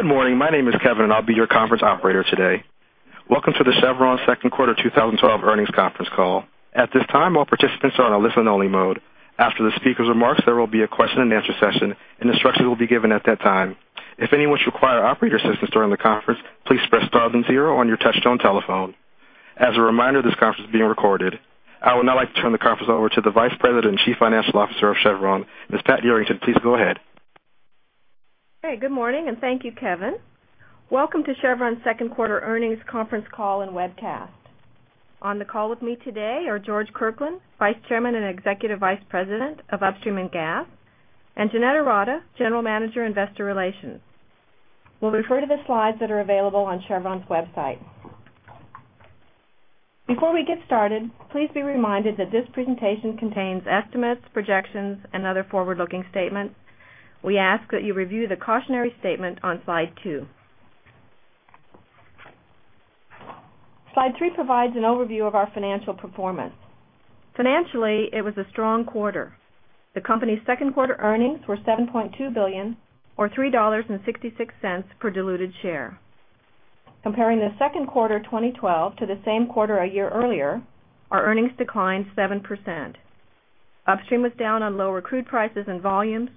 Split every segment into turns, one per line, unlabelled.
Good morning. My name is Kevin. I'll be your conference operator today. Welcome to the Chevron second quarter 2012 earnings conference call. At this time, all participants are on a listen-only mode. After the speaker's remarks, there will be a question-and-answer session. Instructions will be given at that time. If anyone should require operator assistance during the conference, please press 0-0 on your touchtone telephone. As a reminder, this conference is being recorded. I would now like to turn the conference over to the Vice President and Chief Financial Officer of Chevron, Ms. Pat Yarrington. Please go ahead.
Hey, good morning. Thank you, Kevin. Welcome to Chevron's second quarter earnings conference call and webcast. On the call with me today are George Kirkland, Vice Chairman and Executive Vice President of Upstream and Gas, and Jeanette Ourada, General Manager, Investor Relations. We'll refer to the slides that are available on Chevron's website. Before we get started, please be reminded that this presentation contains estimates, projections, and other forward-looking statements. We ask that you review the cautionary statement on slide two. Slide three provides an overview of our financial performance. Financially, it was a strong quarter. The company's second-quarter earnings were $7.2 billion, or $3.66 per diluted share. Comparing the second quarter 2012 to the same quarter a year earlier, our earnings declined 7%. Upstream was down on lower crude prices and volumes,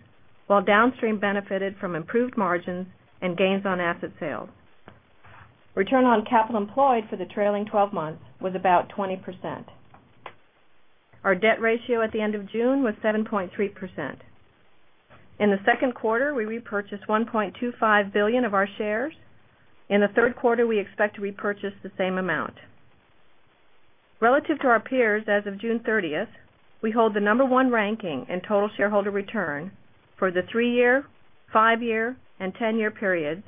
while Downstream benefited from improved margins and gains on asset sales. Return on Capital Employed for the trailing 12 months was about 20%. Our debt ratio at the end of June was 7.3%. In the second quarter, we repurchased $1.25 billion of our shares. In the third quarter, we expect to repurchase the same amount. Relative to our peers as of June 30th, we hold the number one ranking in total shareholder return for the three-year, five-year, and ten-year periods.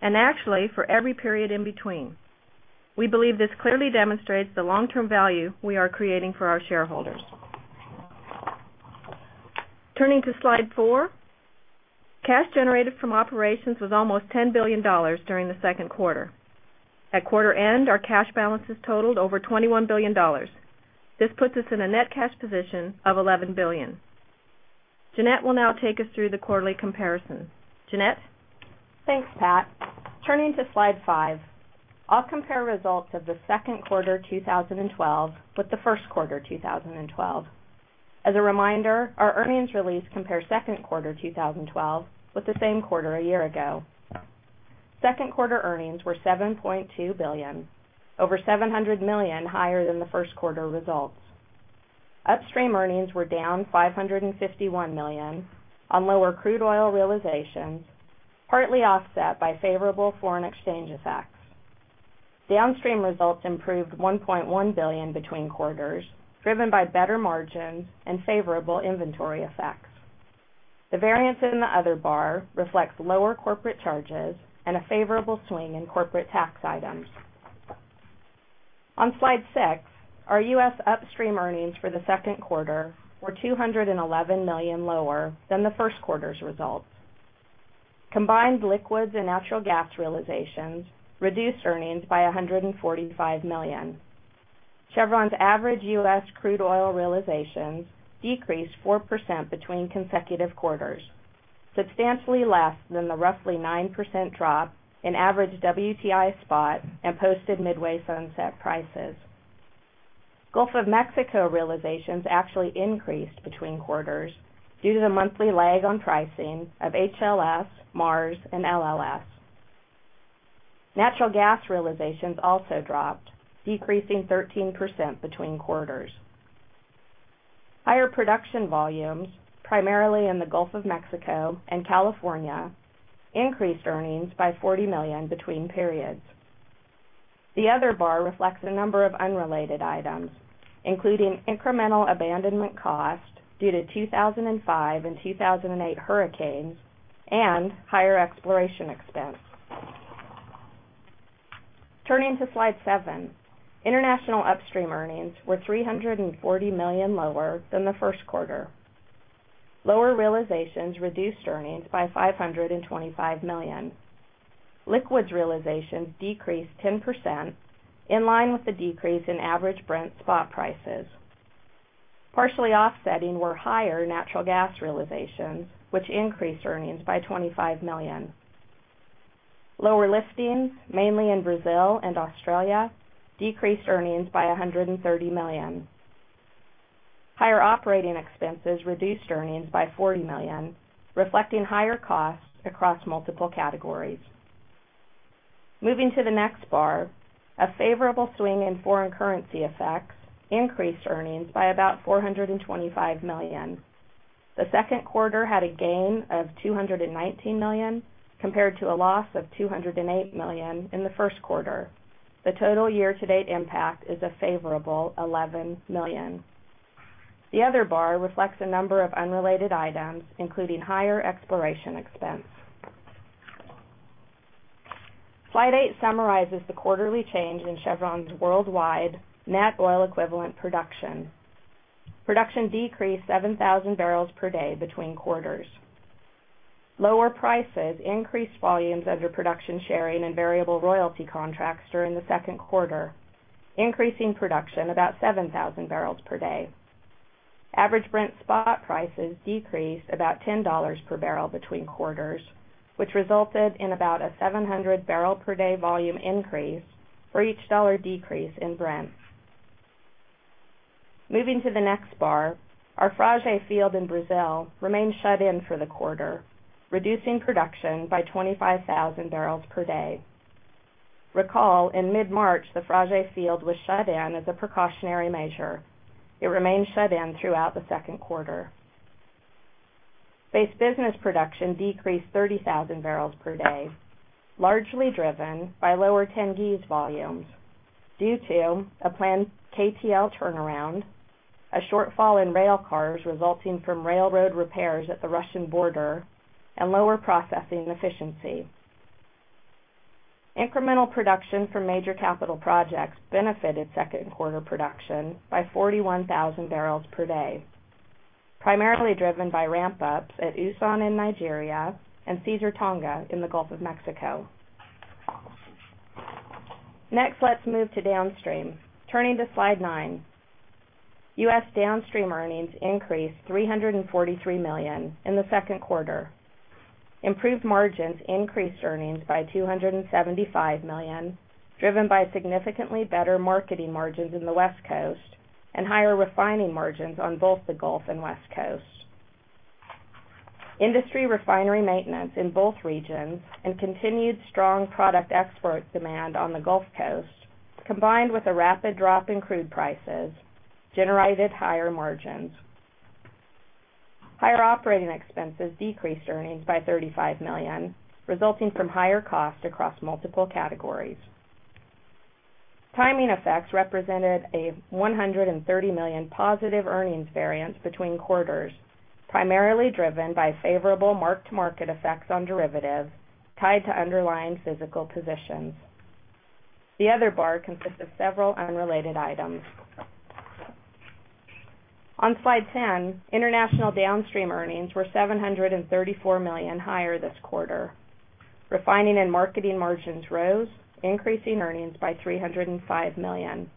Actually for every period in between. We believe this clearly demonstrates the long-term value we are creating for our shareholders. Turning to slide four, cash generated from operations was almost $10 billion during the second quarter. At quarter end, our cash balances totaled over $21 billion. This puts us in a net cash position of $11 billion. Jeanette will now take us through the quarterly comparison. Jeanette?
Thanks, Pat. Turning to slide five, I'll compare results of the second quarter 2012 with the first quarter 2012. As a reminder, our earnings release compares second quarter 2012 with the same quarter a year ago. Second quarter earnings were $7.2 billion, over $700 million higher than the first quarter results. Upstream earnings were down $551 million on lower crude oil realizations, partly offset by favorable foreign exchange effects. Downstream results improved $1.1 billion between quarters, driven by better margins and favorable inventory effects. The variance in the other bar reflects lower corporate charges and a favorable swing in corporate tax items. On slide six, our U.S. Upstream earnings for the second quarter were $211 million lower than the first quarter's results. Combined liquids and natural gas realizations reduced earnings by $145 million. Chevron's average U.S. Crude oil realizations decreased 4% between consecutive quarters, substantially less than the roughly 9% drop in average WTI spot and posted Midway-Sunset prices. Gulf of Mexico realizations actually increased between quarters due to the monthly lag on pricing of HLS, Mars, and LLS. Natural gas realizations also dropped, decreasing 13% between quarters. Higher production volumes, primarily in the Gulf of Mexico and California, increased earnings by $40 million between periods. The other bar reflects a number of unrelated items, including incremental abandonment cost due to 2005 and 2008 hurricanes and higher exploration expense. Turning to slide seven, international Upstream earnings were $340 million lower than the first quarter. Lower realizations reduced earnings by $525 million. Liquids realization decreased 10%, in line with the decrease in average Brent spot prices. Partially offsetting were higher natural gas realizations, which increased earnings by $25 million. Lower liftings, mainly in Brazil and Australia, decreased earnings by $130 million. Higher operating expenses reduced earnings by $40 million, reflecting higher costs across multiple categories. Moving to the next bar, a favorable swing in foreign currency effects increased earnings by about $425 million. The second quarter had a gain of $219 million compared to a loss of $208 million in the first quarter. The total year-to-date impact is a favorable $11 million. The other bar reflects a number of unrelated items, including higher exploration expense. Slide eight summarizes the quarterly change in Chevron's worldwide net oil equivalent production. Production decreased 7,000 barrels per day between quarters. Lower prices increased volumes under production sharing and variable royalty contracts during the second quarter, increasing production about 7,000 barrels per day. Average Brent spot prices decreased about $10 per barrel between quarters, which resulted in about a 700 barrel per day volume increase for each dollar decrease in Brent. Moving to the next bar, our Frade field in Brazil remained shut in for the quarter, reducing production by 25,000 barrels per day. Recall in mid-March, the Frade field was shut in as a precautionary measure. It remained shut in throughout the second quarter. Base business production decreased 30,000 barrels per day, largely driven by lower Tengiz volumes due to a planned KTL turnaround, a shortfall in rail cars resulting from railroad repairs at the Russian border, and lower processing efficiency. Incremental production from major capital projects benefited second quarter production by 41,000 barrels per day, primarily driven by ramp-ups at Usan in Nigeria and Caesar Tonga in the Gulf of Mexico. Next, let's move to downstream. Turning to slide nine. U.S. downstream earnings increased $343 million in the second quarter. Improved margins increased earnings by $275 million, driven by significantly better marketing margins in the West Coast and higher refining margins on both the Gulf and West Coasts. Industry refinery maintenance in both regions and continued strong product export demand on the Gulf Coast, combined with a rapid drop in crude prices, generated higher margins. Higher operating expenses decreased earnings by $35 million, resulting from higher costs across multiple categories. Timing effects represented a $130 million positive earnings variance between quarters, primarily driven by favorable mark-to-market effects on derivatives tied to underlying physical positions. The other bar consists of several unrelated items. On slide 10, international downstream earnings were $734 million higher this quarter. Refining and marketing margins rose, increasing earnings by $305 million.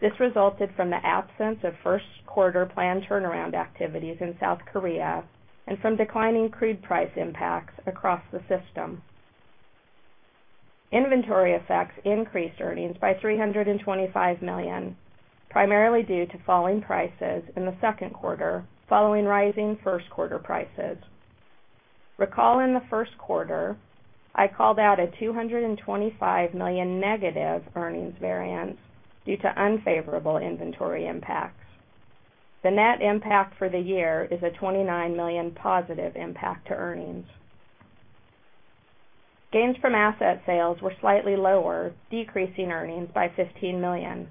This resulted from the absence of first-quarter planned turnaround activities in South Korea and from declining crude price impacts across the system. Inventory effects increased earnings by $325 million, primarily due to falling prices in the second quarter following rising first-quarter prices. Recall in the first quarter, I called out a $225 million negative earnings variance due to unfavorable inventory impacts. The net impact for the year is a $29 million positive impact to earnings. Gains from asset sales were slightly lower, decreasing earnings by $15 million.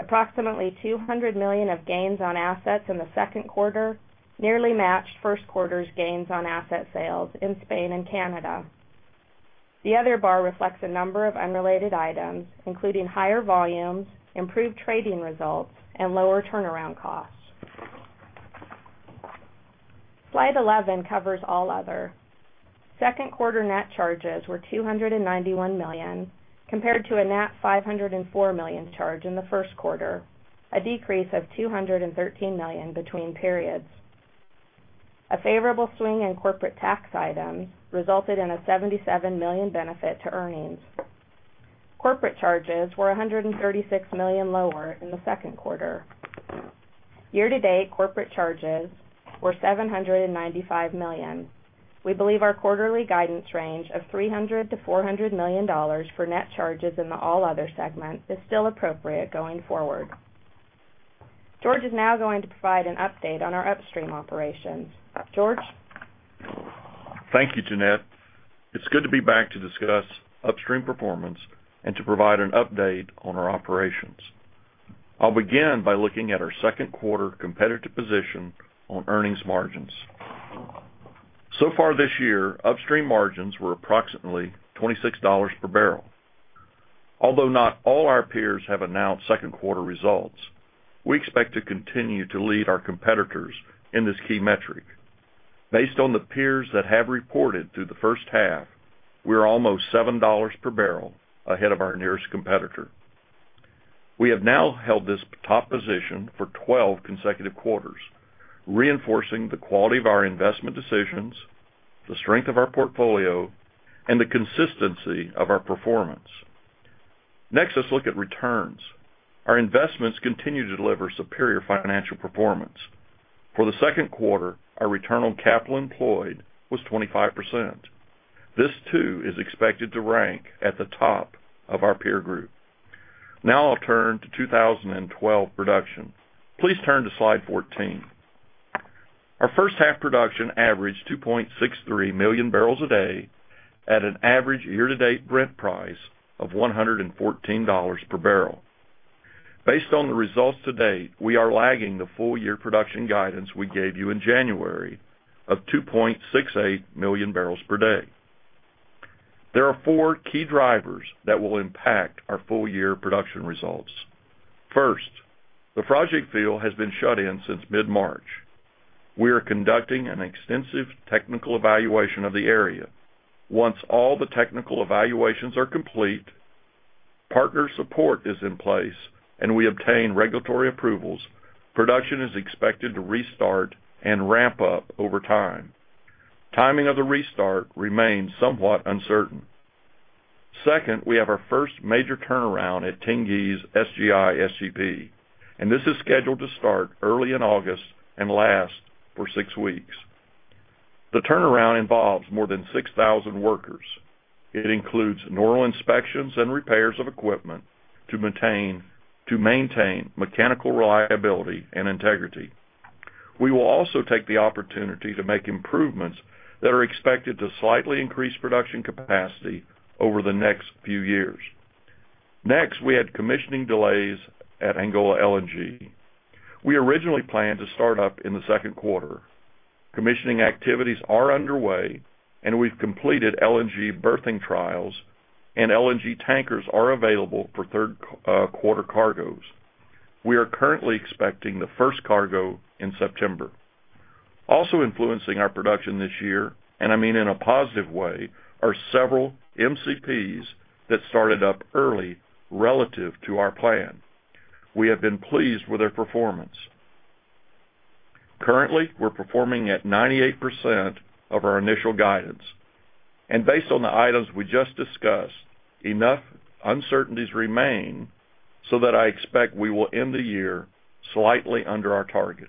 Approximately $200 million of gains on assets in the second quarter nearly matched first quarter's gains on asset sales in Spain and Canada. The other bar reflects a number of unrelated items, including higher volumes, improved trading results, and lower turnaround costs. Slide 11 covers all other. Second quarter net charges were $291 million compared to a net $504 million charge in the first quarter, a decrease of $213 million between periods. A favorable swing in corporate tax items resulted in a $77 million benefit to earnings. Corporate charges were $136 million lower in the second quarter. Year-to-date corporate charges were $795 million. We believe our quarterly guidance range of $300 million-$400 million for net charges in the all other segment is still appropriate going forward. George is now going to provide an update on our upstream operations. George?
Thank you, Jeanette. It's good to be back to discuss upstream performance and to provide an update on our operations. I'll begin by looking at our second quarter competitive position on earnings margins. So far this year, upstream margins were approximately $26 per barrel. Although not all our peers have announced second quarter results, we expect to continue to lead our competitors in this key metric. Based on the peers that have reported through the first half, we are almost $7 per barrel ahead of our nearest competitor. We have now held this top position for 12 consecutive quarters, reinforcing the quality of our investment decisions, the strength of our portfolio, and the consistency of our performance. Next, let's look at returns. Our investments continue to deliver superior financial performance. For the second quarter, our Return on Capital Employed was 25%. This too is expected to rank at the top of our peer group. Now I'll turn to 2012 production. Please turn to slide 14. Our first half production averaged 2.63 million barrels a day at an average year-to-date Brent price of $114 per barrel. Based on the results to date, we are lagging the full year production guidance we gave you in January of 2.68 million barrels per day. There are four key drivers that will impact our full year production results. First, the Frade field has been shut in since mid-March. We are conducting an extensive technical evaluation of the area. Once all the technical evaluations are complete, Partner support is in place, and we obtain regulatory approvals, production is expected to restart and ramp up over time. Timing of the restart remains somewhat uncertain. Second, we have our first major turnaround at Tengiz SGI/SGP. This is scheduled to start early in August and last for six weeks. The turnaround involves more than 6,000 workers. It includes normal inspections and repairs of equipment to maintain mechanical reliability and integrity. We will also take the opportunity to make improvements that are expected to slightly increase production capacity over the next few years. Next, we had commissioning delays at Angola LNG. We originally planned to start up in the second quarter. Commissioning activities are underway. We've completed LNG berthing trials. LNG tankers are available for third quarter cargoes. We are currently expecting the first cargo in September. Also influencing our production this year, I mean in a positive way, are several MCPs that started up early relative to our plan. We have been pleased with their performance. Currently, we're performing at 98% of our initial guidance. Based on the items we just discussed, enough uncertainties remain that I expect we will end the year slightly under our target.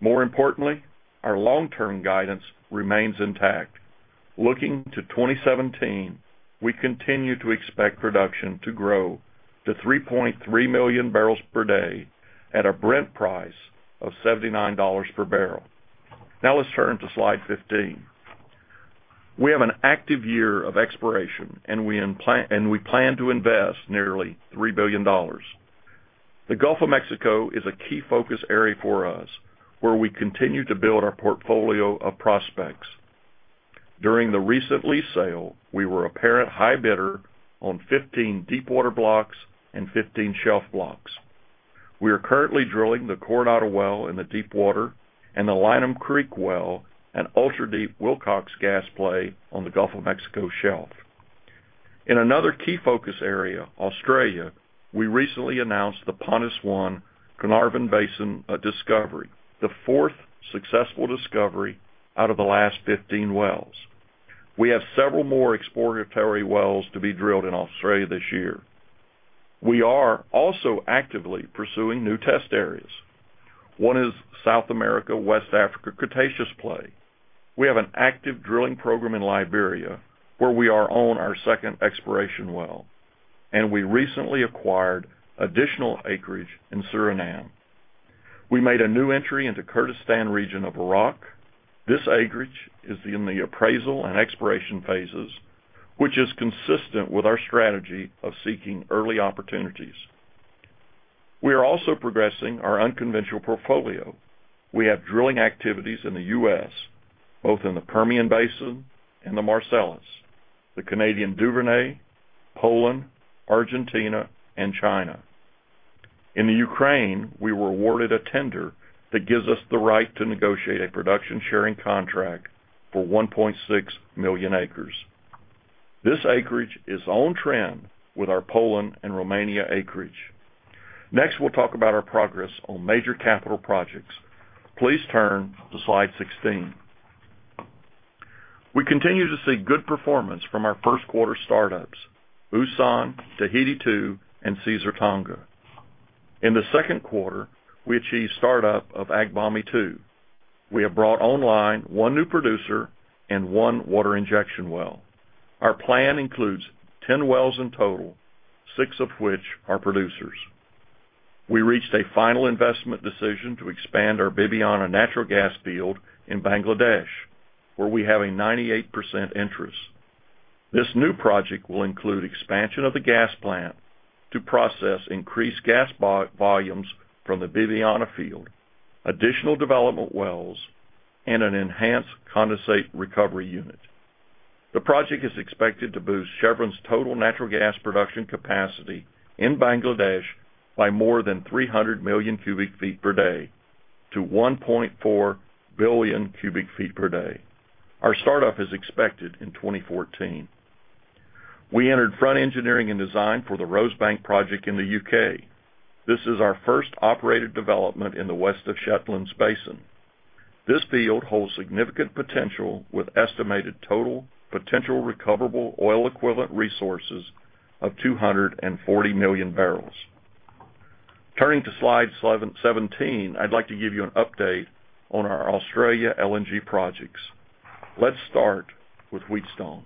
More importantly, our long-term guidance remains intact. Looking to 2017, we continue to expect production to grow to 3.3 million barrels per day at a Brent price of $79 per barrel. Now let's turn to slide 15. We have an active year of exploration and we plan to invest nearly $3 billion. The Gulf of Mexico is a key focus area for us, where we continue to build our portfolio of prospects. During the recent lease sale, we were apparent high bidder on 15 deepwater blocks and 15 shelf blocks. We are currently drilling the Coronado well in the deepwater. The Lineham Creek well, an ultra-deep Wilcox gas play on the Gulf of Mexico shelf. In another key focus area, Australia, we recently announced the Pontus-1 Carnarvon Basin discovery, the fourth successful discovery out of the last 15 wells. We have several more exploratory wells to be drilled in Australia this year. We are also actively pursuing new test areas. One is South America, West Africa Cretaceous Play. We have an active drilling program in Liberia, where we are on our second exploration well. We recently acquired additional acreage in Suriname. We made a new entry into Kurdistan region of Iraq. This acreage is in the appraisal and exploration phases, which is consistent with our strategy of seeking early opportunities. We are also progressing our unconventional portfolio. We have drilling activities in the U.S., both in the Permian Basin, the Marcellus, the Canadian Duvernay, Poland, Argentina, China. In the Ukraine, we were awarded a tender that gives us the right to negotiate a production-sharing contract for 1.6 million acres. This acreage is on trend with our Poland and Romania acreage. Next, we'll talk about our progress on Major Capital Projects. Please turn to slide 16. We continue to see good performance from our first-quarter startups, Usan, Tahiti 2, Caesar Tonga. In the second quarter, we achieved startup of Agbami 2. We have brought online one new producer and one water injection well. Our plan includes 10 wells in total, six of which are producers. We reached a final investment decision to expand our Bibiyana natural gas field in Bangladesh, where we have a 98% interest. This new project will include expansion of the gas plant to process increased gas volumes from the Bibiyana field, additional development wells, and an enhanced condensate recovery unit. The project is expected to boost Chevron's total natural gas production capacity in Bangladesh by more than 300 million cubic feet per day to 1.4 billion cubic feet per day. Our startup is expected in 2014. We entered front-end engineering and design for the Rosebank project in the U.K. This is our first operated development in the West of Shetland Basin. This field holds significant potential with estimated total potential recoverable oil equivalent resources of 240 million barrels. Turning to slide 17, I'd like to give you an update on our Australia LNG projects. Let's start with Wheatstone.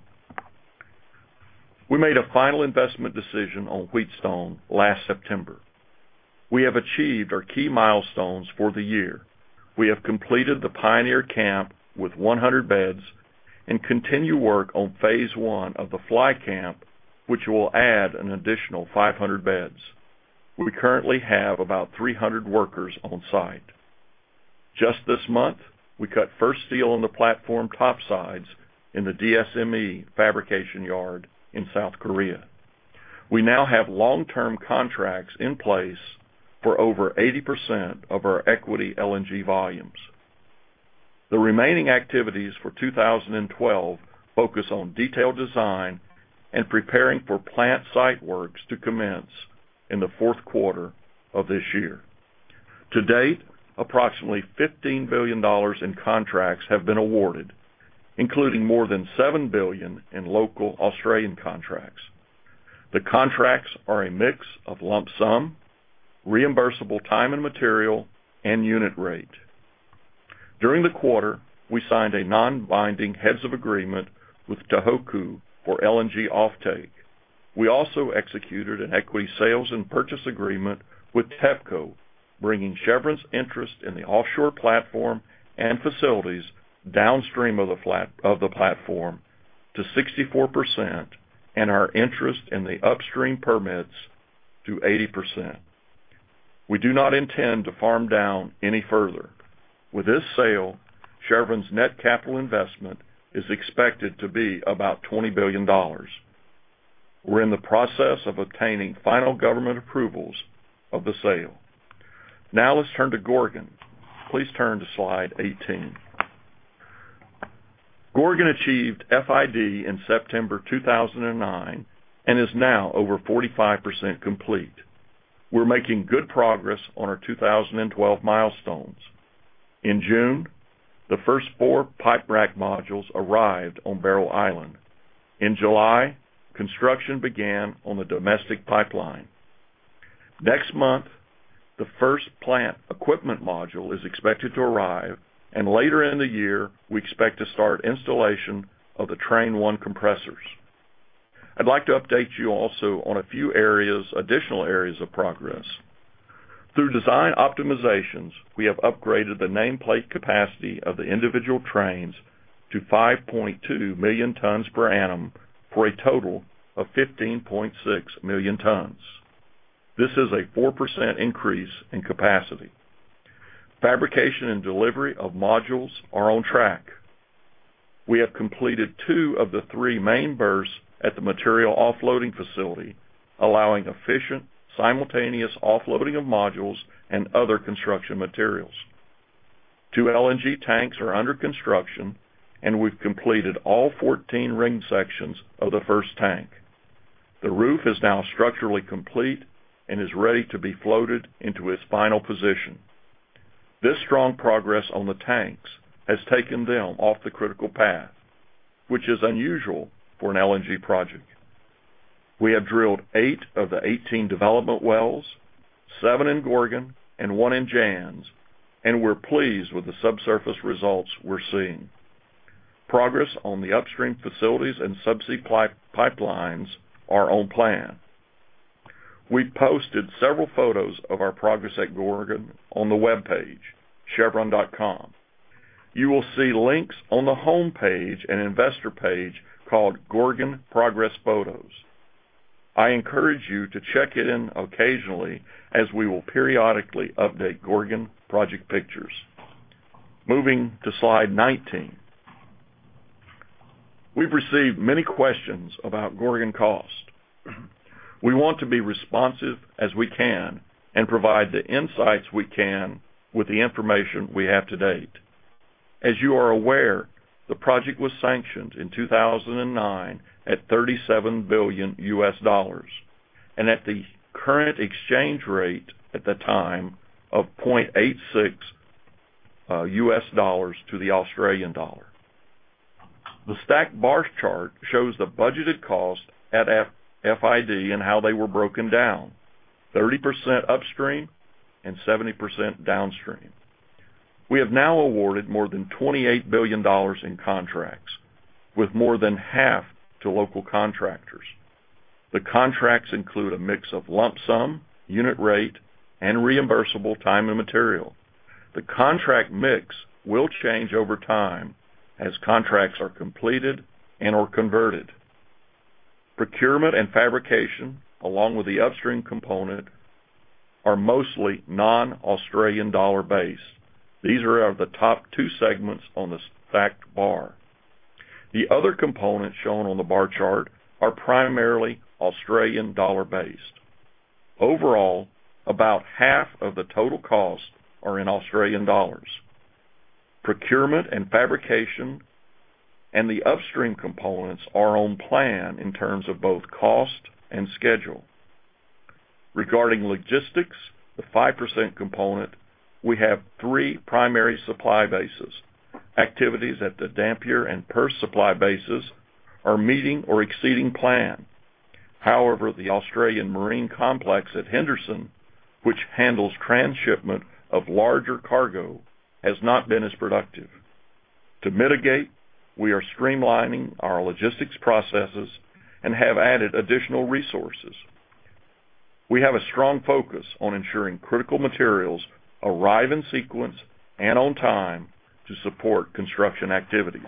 We made a final investment decision on Wheatstone last September. We have achieved our key milestones for the year. We have completed the pioneer camp with 100 beds and continue work on phase 1 of the fly camp, which will add an additional 500 beds. We currently have about 300 workers on-site. Just this month, we cut first steel on the platform topsides in the DSME fabrication yard in South Korea. We now have long-term contracts in place for over 80% of our equity LNG volumes. The remaining activities for 2012 focus on detailed design and preparing for plant site works to commence in the fourth quarter of this year. To date, approximately $15 billion in contracts have been awarded, including more than $7 billion in local Australian contracts. The contracts are a mix of lump sum, reimbursable time and material, and unit rate. During the quarter, we signed a non-binding heads of agreement with Tohoku for LNG offtake. We also executed an equity sales and purchase agreement with TEPCO, bringing Chevron's interest in the offshore platform and facilities downstream of the platform to 64%, and our interest in the upstream permits to 80%. We do not intend to farm down any further. With this sale, Chevron's net capital investment is expected to be about $20 billion. We're in the process of obtaining final government approvals of the sale. Now let's turn to Gorgon. Please turn to slide 18. Gorgon achieved FID in September 2009 and is now over 45% complete. We're making good progress on our 2012 milestones. In June, the first four pipe rack modules arrived on Barrow Island. In July, construction began on the domestic pipeline. Next month, the first plant equipment module is expected to arrive, and later in the year, we expect to start installation of the train 1 compressors. I'd like to update you also on a few additional areas of progress. Through design optimizations, we have upgraded the nameplate capacity of the individual trains to 5.2 million tons per annum, for a total of 15.6 million tons. This is a 4% increase in capacity. Fabrication and delivery of modules are on track. We have completed two of the three main berths at the material offloading facility, allowing efficient, simultaneous offloading of modules and other construction materials. Two LNG tanks are under construction, and we've completed all 14 ring sections of the first tank. The roof is now structurally complete and is ready to be floated into its final position. This strong progress on the tanks has taken them off the critical path, which is unusual for an LNG project. We have drilled eight of the 18 development wells, seven in Gorgon and one in Jansz, and we're pleased with the subsurface results we're seeing. Progress on the upstream facilities and subsea pipelines are on plan. We've posted several photos of our progress at Gorgon on the webpage, chevron.com. You will see links on the homepage and investor page called Gorgon Progress Photos. I encourage you to check it in occasionally, as we will periodically update Gorgon project pictures. Moving to slide 19. We've received many questions about Gorgon cost. We want to be responsive as we can and provide the insights we can with the information we have to date. As you are aware, the project was sanctioned in 2009 at $37 billion, and at the current exchange rate at the time of $0.86 to the Australian dollar. The stacked bar chart shows the budgeted cost at FID and how they were broken down, 30% upstream and 70% downstream. We have now awarded more than $28 billion in contracts, with more than half to local contractors. The contracts include a mix of lump sum, unit rate, and reimbursable time and material. The contract mix will change over time as contracts are completed and/or converted. Procurement and fabrication, along with the upstream component, are mostly non-Australian dollar based. These are the top two segments on the stacked bar. The other components shown on the bar chart are primarily Australian dollar based. Overall, about half of the total costs are in Australian dollars. Procurement and fabrication and the upstream components are on plan in terms of both cost and schedule. Regarding logistics, the 5% component, we have three primary supply bases. Activities at the Dampier and Perth supply bases are meeting or exceeding plan. However, the Australian Marine Complex at Henderson, which handles transshipment of larger cargo, has not been as productive. To mitigate, we are streamlining our logistics processes and have added additional resources. We have a strong focus on ensuring critical materials arrive in sequence and on time to support construction activities.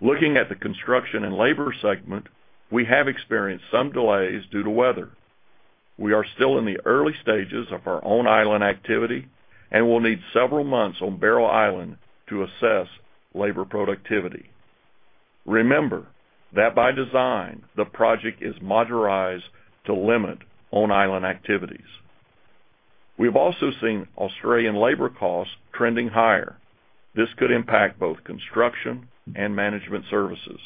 Looking at the construction and labor segment, we have experienced some delays due to weather. We are still in the early stages of our own island activity and will need several months on Barrow Island to assess labor productivity. Remember that by design, the project is modularized to limit on-island activities. We have also seen Australian labor costs trending higher. This could impact both construction and management services.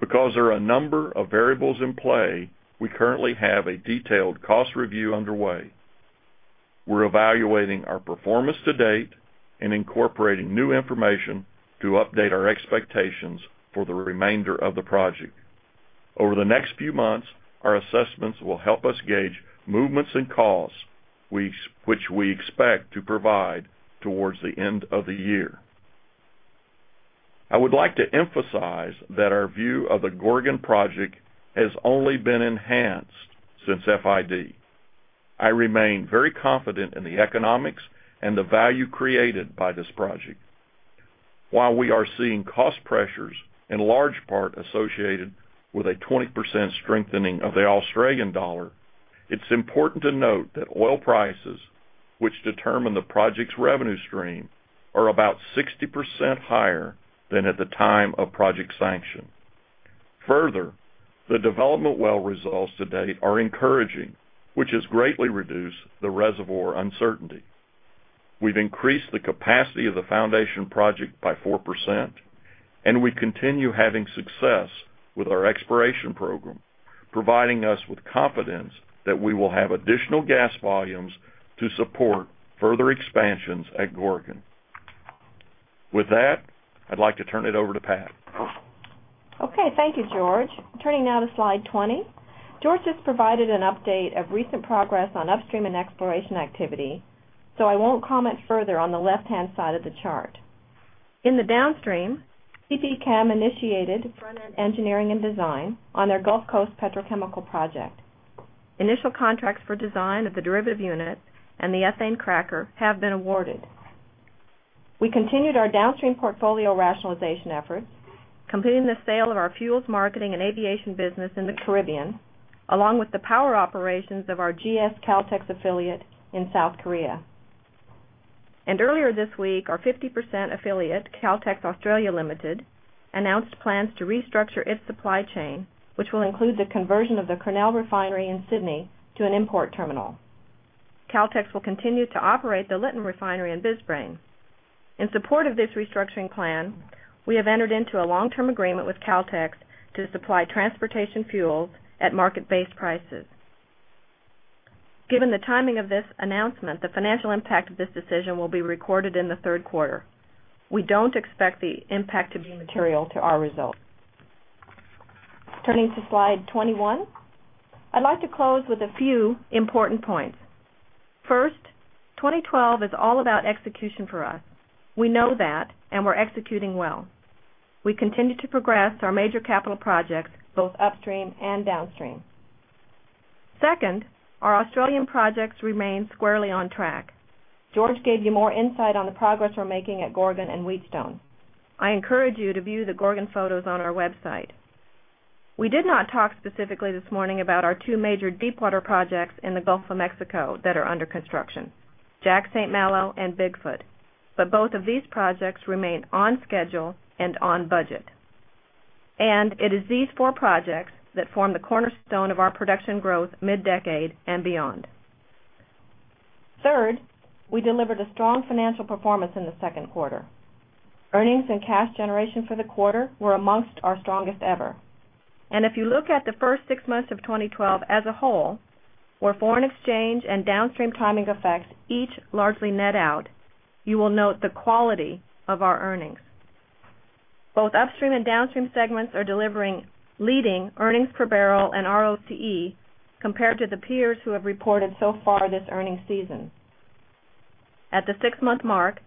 Because there are a number of variables in play, we currently have a detailed cost review underway. We're evaluating our performance to date and incorporating new information to update our expectations for the remainder of the project. Over the next few months, our assessments will help us gauge movements in costs, which we expect to provide towards the end of the year. I would like to emphasize that our view of the Gorgon project has only been enhanced since FID. I remain very confident in the economics and the value created by this project. While we are seeing cost pressures in large part associated with a 20% strengthening of the Australian dollar, it's important to note that oil prices, which determine the project's revenue stream, are about 60% higher than at the time of project sanction. Further, the development well results to date are encouraging, which has greatly reduced the reservoir uncertainty. We've increased the capacity of the foundation project by 4%, and we continue having success with our exploration program, providing us with confidence that we will have additional gas volumes to support further expansions at Gorgon. With that, I'd like to turn it over to Pat.
Okay. Thank you, George. Turning now to slide 20. George just provided an update of recent progress on upstream and exploration activity, so I won't comment further on the left-hand side of the chart. In the downstream, CP Chem initiated front-end engineering and design on their Gulf Coast petrochemical project. Initial contracts for design of the derivative unit and the ethane cracker have been awarded. We continued our downstream portfolio rationalization efforts, completing the sale of our fuels marketing and aviation business in the Caribbean, along with the power operations of our GS Caltex affiliate in South Korea. Earlier this week, our 50% affiliate, Caltex Australia Limited, announced plans to restructure its supply chain, which will include the conversion of the Kurnell Refinery in Sydney to an import terminal. Caltex will continue to operate the Lytton Refinery in Brisbane. In support of this restructuring plan, we have entered into a long-term agreement with Caltex to supply transportation fuels at market-based prices. Given the timing of this announcement, the financial impact of this decision will be recorded in the third quarter. We don't expect the impact to be material to our results. Turning to slide 21. I'd like to close with a few important points. First, 2012 is all about execution for us. We know that, and we're executing well. We continue to progress our major capital projects, both upstream and downstream. Second, our Australian projects remain squarely on track. George gave you more insight on the progress we're making at Gorgon and Wheatstone. I encourage you to view the Gorgon photos on our website. We did not talk specifically this morning about our two major deepwater projects in the Gulf of Mexico that are under construction, Jack/St. Malo and Big Foot. Both of these projects remain on schedule and on budget. It is these four projects that form the cornerstone of our production growth mid-decade and beyond. Third, we delivered a strong financial performance in the second quarter. Earnings and cash generation for the quarter were amongst our strongest ever. If you look at the first six months of 2012 as a whole, where foreign exchange and downstream timing effects each largely net out, you will note the quality of our earnings. Both upstream and downstream segments are delivering leading earnings per barrel and ROCE compared to the peers who have reported so far this earnings season. At the six-month mark,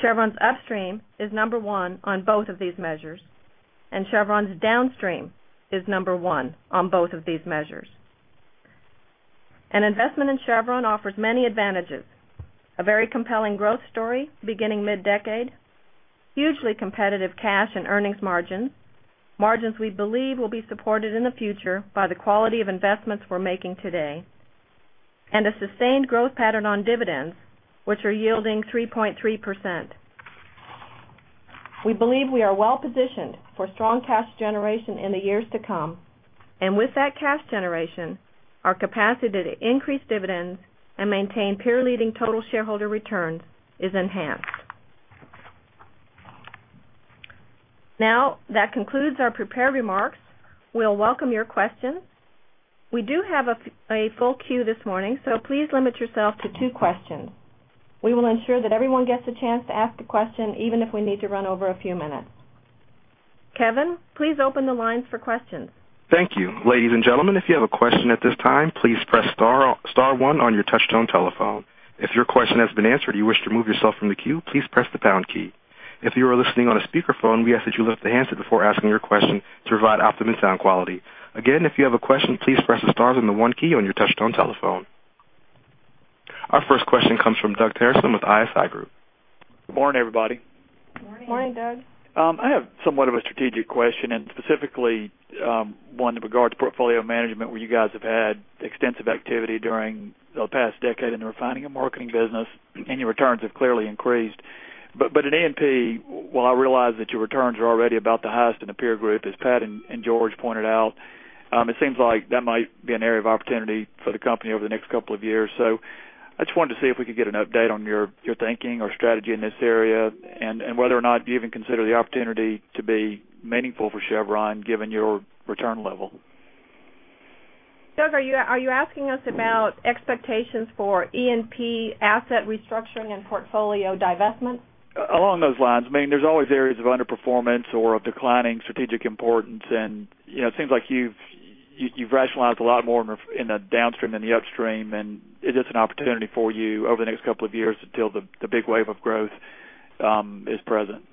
Chevron's upstream is number one on both of these measures, and Chevron's downstream is number one on both of these measures. An investment in Chevron offers many advantages, a very compelling growth story beginning mid-decade, hugely competitive cash and earnings margins we believe will be supported in the future by the quality of investments we're making today, and a sustained growth pattern on dividends, which are yielding 3.3%. We believe we are well-positioned for strong cash generation in the years to come. With that cash generation, our capacity to increase dividends and maintain peer-leading total shareholder returns is enhanced. That concludes our prepared remarks. We'll welcome your questions. We do have a full queue this morning, so please limit yourself to two questions. We will ensure that everyone gets a chance to ask a question, even if we need to run over a few minutes. Kevin, please open the lines for questions.
Thank you. Ladies and gentlemen, if you have a question at this time, please press *1 on your touchtone telephone. If your question has been answered and you wish to remove yourself from the queue, please press the # key. If you are listening on a speakerphone, we ask that you lift the handset before asking your question to provide optimum sound quality. Again, if you have a question, please press the * and the 1 key on your touchtone telephone. Our first question comes from Doug Terreson with ISI Group.
Morning, everybody.
Morning. Morning, Doug.
I have somewhat of a strategic question. Specifically one with regard to portfolio management, where you guys have had extensive activity during the past decade in the refining and marketing business, and your returns have clearly increased. In E&P, while I realize that your returns are already about the highest in the peer group, as Pat and George pointed out, it seems like that might be an area of opportunity for the company over the next couple of years. I just wanted to see if we could get an update on your thinking or strategy in this area and whether or not you even consider the opportunity to be meaningful for Chevron given your return level.
Doug, are you asking us about expectations for E&P asset restructuring and portfolio divestment?
Along those lines. There's always areas of underperformance or of declining strategic importance. It seems like you've rationalized a lot more in the downstream than the upstream. It is an opportunity for you over the next couple of years until the big wave of growth is present.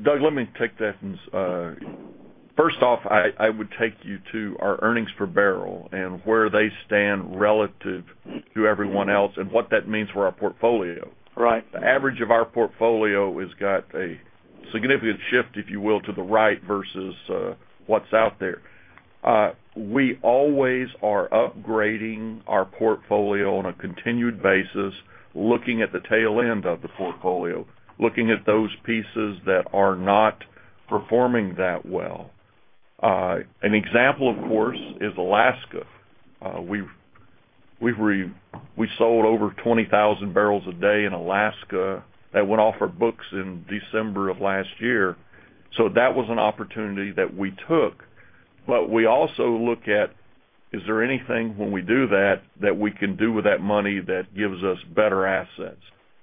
Doug, let me take that one. First off, I would take you to our earnings per barrel and where they stand relative to everyone else and what that means for our portfolio.
Right.
The average of our portfolio has got a significant shift, if you will, to the right versus what's out there. We always are upgrading our portfolio on a continued basis, looking at the tail end of the portfolio, looking at those pieces that are not performing that well. An example, of course, is Alaska. We sold over 20,000 barrels a day in Alaska that went off our books in December of last year. That was an opportunity that we took. We also look at, is there anything when we do that we can do with that money that gives us better assets?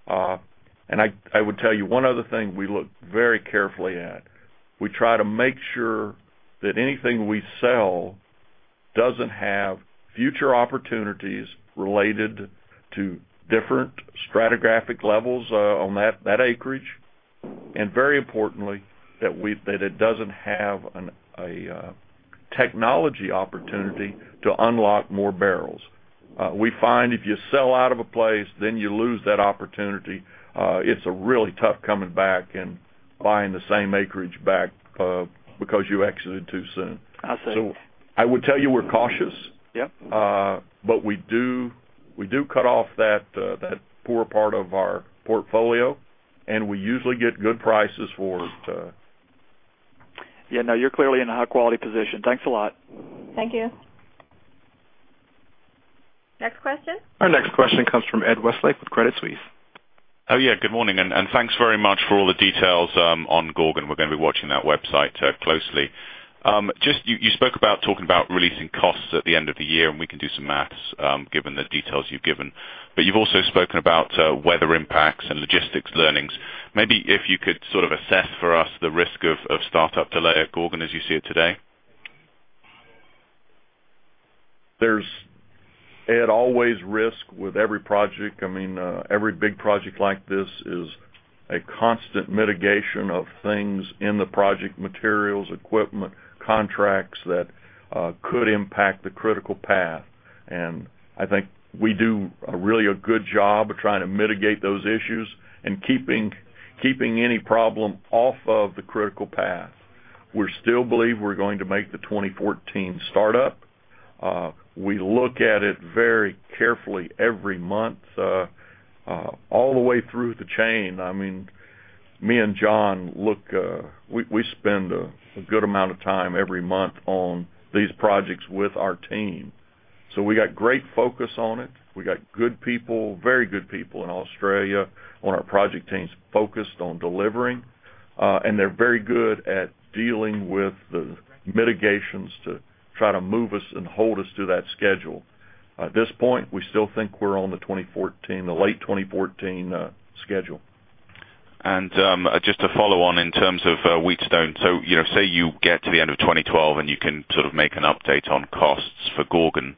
I would tell you one other thing we look very carefully at. We try to make sure that anything we sell doesn't have future opportunities related to different stratigraphic levels on that acreage, very importantly, that it doesn't have a technology opportunity to unlock more barrels. We find if you sell out of a place, you lose that opportunity. It's a really tough coming back and buying the same acreage back because you exited too soon.
I see.
I would tell you we're cautious.
Yep.
We do cut off that poor part of our portfolio, and we usually get good prices for it.
Yeah. No, you're clearly in a high-quality position. Thanks a lot.
Thank you. Next question?
Our next question comes from Ed Westlake with Credit Suisse.
Oh, yeah, good morning. Thanks very much for all the details on Gorgon. We're going to be watching that website closely. You spoke about talking about releasing costs at the end of the year. We can do some math given the details you've given. You've also spoken about weather impacts and logistics learnings. Maybe if you could sort of assess for us the risk of startup delay at Gorgon as you see it today.
There's always risk with every project. Every big project like this is a constant mitigation of things in the project, materials, equipment, contracts that could impact the critical path. I think we do a really a good job of trying to mitigate those issues and keeping any problem off of the critical path. We still believe we're going to make the 2014 startup. We look at it very carefully every month all the way through the chain. Me and John, we spend a good amount of time every month on these projects with our team. We got great focus on it. We got good people, very good people in Australia on our project teams focused on delivering. They're very good at dealing with the mitigations to try to move us and hold us to that schedule. At this point, we still think we're on the late 2014 schedule.
Just to follow on in terms of Wheatstone. Say you get to the end of 2012 and you can sort of make an update on costs for Gorgon.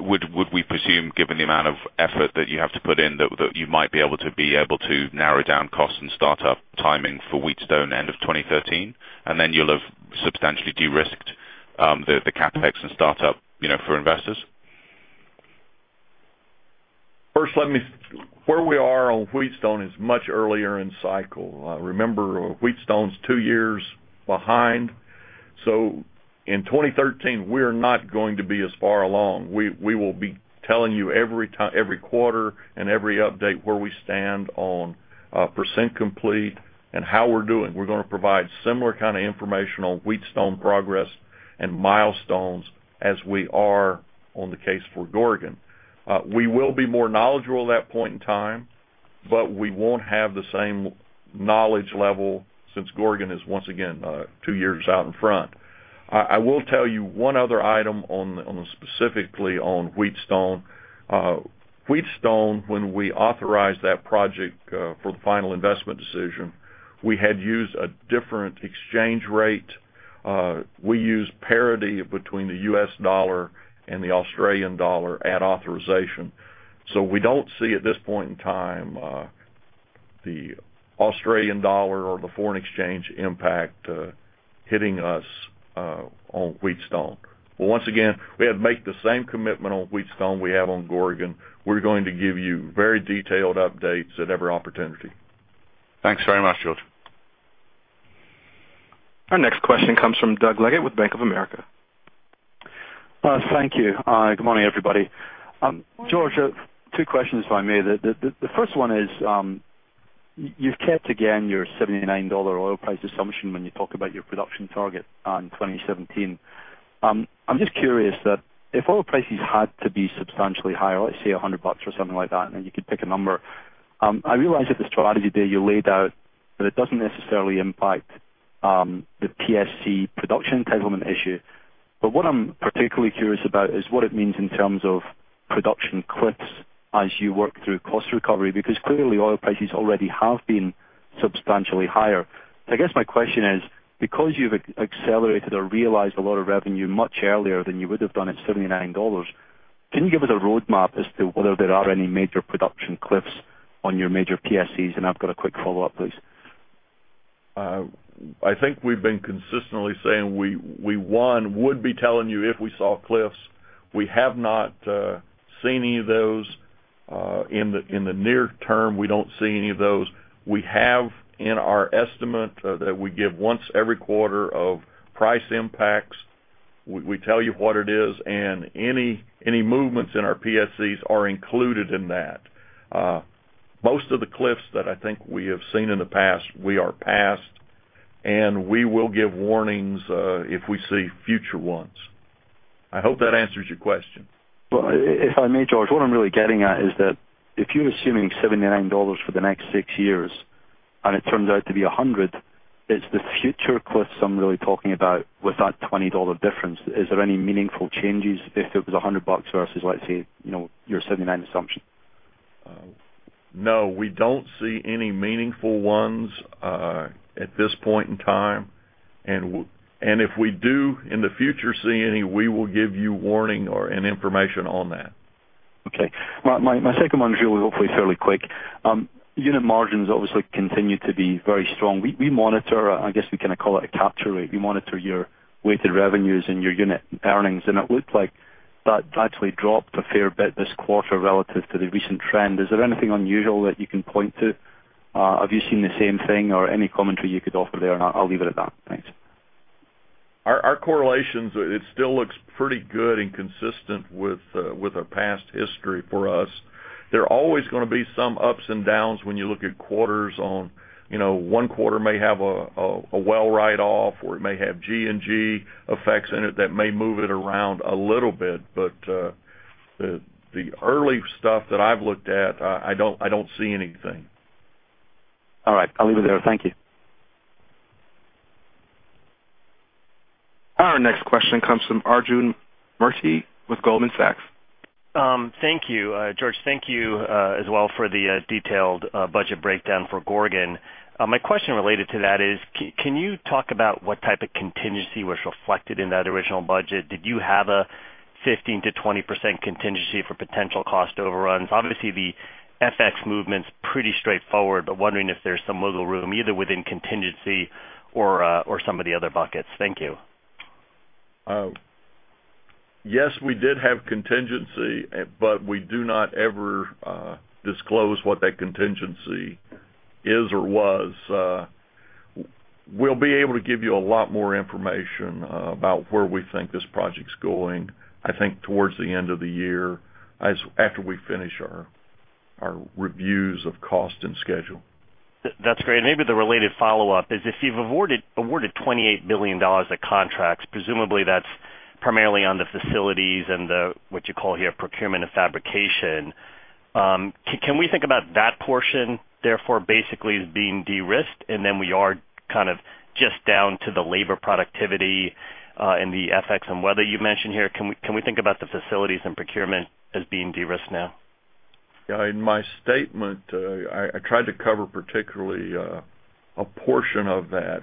Would we presume, given the amount of effort that you have to put in, that you might be able to narrow down costs and start up timing for Wheatstone end of 2013? Then you'll have substantially de-risked the CapEx and startup for investors?
First, where we are on Wheatstone is much earlier in cycle. Remember, Wheatstone's two years behind. In 2013, we're not going to be as far along. We will be telling you every quarter and every update where we stand on % complete and how we're doing. We're going to provide similar kind of information on Wheatstone progress and milestones as we are on the case for Gorgon. We will be more knowledgeable at that point in time, but we won't have the same knowledge level since Gorgon is once again two years out in front. I will tell you one other item specifically on Wheatstone. Wheatstone, when we authorized that project for the final investment decision, we had used a different exchange rate. We used parity between the U.S. dollar and the Australian dollar at authorization. We don't see at this point in time the Australian dollar or the foreign exchange impact hitting us on Wheatstone. Once again, we have made the same commitment on Wheatstone we have on Gorgon. We're going to give you very detailed updates at every opportunity.
Thanks very much, George.
Our next question comes from Doug Leggate with Bank of America.
Thank you. Good morning, everybody. George, two questions if I may. The first one is, you've kept again your $79 oil price assumption when you talk about your production target on 2017. I'm just curious that if oil prices had to be substantially higher, let's say $100 or something like that, and you could pick a number. I realize that the strategy there you laid out, that it doesn't necessarily impact the PSC production entitlement issue. What I'm particularly curious about is what it means in terms of production cliffs as you work through cost recovery, because clearly oil prices already have been substantially higher. I guess my question is, because you've accelerated or realized a lot of revenue much earlier than you would have done at $79, can you give us a roadmap as to whether there are any major production cliffs on your major PSCs? I've got a quick follow-up, please.
I think we've been consistently saying we, one, would be telling you if we saw cliffs. We have not seen any of those in the near term, we don't see any of those. We have in our estimate that we give once every quarter of price impacts. We tell you what it is and any movements in our PSCs are included in that. Most of the cliffs that I think we have seen in the past, we are past, and we will give warnings, if we see future ones. I hope that answers your question.
Well, if I may, George, what I'm really getting at is that if you're assuming $79 for the next six years and it turns out to be $100, it's the future cliffs I'm really talking about with that $20 difference. Is there any meaningful changes if it was $100 versus, let's say, your $79 assumption?
No, we don't see any meaningful ones at this point in time. If we do, in the future see any, we will give you warning and information on that.
Okay. My second one is really hopefully fairly quick. Unit margins obviously continue to be very strong. We monitor, I guess we call it a capture rate. We monitor your weighted revenues and your unit earnings, and it looked like that actually dropped a fair bit this quarter relative to the recent trend. Is there anything unusual that you can point to? Have you seen the same thing or any commentary you could offer there? I'll leave it at that. Thanks.
Our correlations, it still looks pretty good and consistent with our past history for us. There are always going to be some ups and downs when you look at quarters on, one quarter may have a well write-off, or it may have G&A effects in it that may move it around a little bit. The early stuff that I've looked at, I don't see anything.
All right. I'll leave it there. Thank you.
Our next question comes from Arjun Murti with Goldman Sachs.
Thank you. George, thank you as well for the detailed budget breakdown for Gorgon. My question related to that is, can you talk about what type of contingency was reflected in that original budget? Did you have a 15%-20% contingency for potential cost overruns? Obviously, the FX movement's pretty straightforward, but wondering if there's some wiggle room either within contingency or some of the other buckets. Thank you.
Yes, we did have contingency. We do not ever disclose what that contingency is or was. We'll be able to give you a lot more information about where we think this project's going, I think towards the end of the year, after we finish our reviews of cost and schedule.
That's great. Maybe the related follow-up is if you've awarded $28 billion of contracts, presumably that's primarily on the facilities and the, what you call here, procurement of fabrication. Can we think about that portion, therefore, basically as being de-risked, and then we are just down to the labor productivity, and the FX and weather you've mentioned here? Can we think about the facilities and procurement as being de-risked now?
In my statement, I tried to cover particularly a portion of that,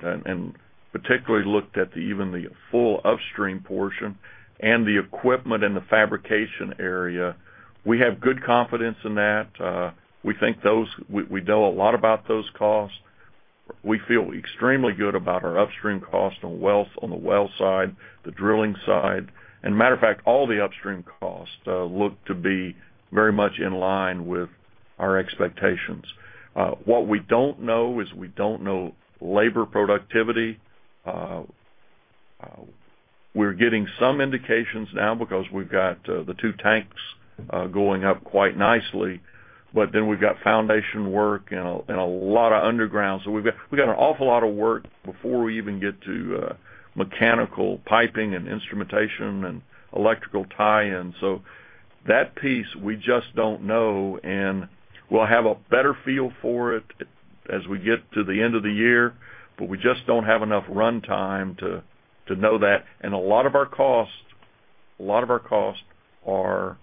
particularly looked at even the full upstream portion and the equipment and the fabrication area. We have good confidence in that. We think we know a lot about those costs. We feel extremely good about our upstream cost on the well side, the drilling side, matter of fact, all the upstream costs look to be very much in line with our expectations. What we don't know is we don't know labor productivity. We're getting some indications now because we've got the two tanks going up quite nicely. We've got foundation work and a lot of underground. We've got an awful lot of work before we even get to mechanical piping and instrumentation and electrical tie-ins. That piece, we just don't know, we'll have a better feel for it as we get to the end of the year, we just don't have enough run time to know that. A lot of our costs are,